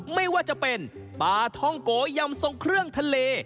ไม่ว่าจะเป็นปลาท่องโกยำทรงเครื่องทะเล